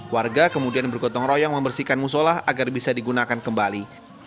warga kemudian bergotong royong membersihkan musola agar bisa digunakan kembali